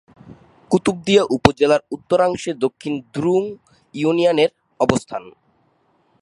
কুতুবদিয়া উপজেলার উত্তরাংশে দক্ষিণ ধুরুং ইউনিয়নের অবস্থান।